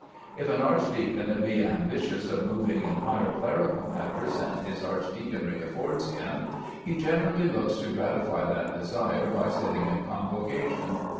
If an archdeacon be ambitious of moving in higher clerical matters than his archdeaconry affords him, he generally looks to gratify that desire by sitting in Convocation.